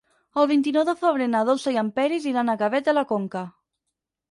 El vint-i-nou de febrer na Dolça i en Peris iran a Gavet de la Conca.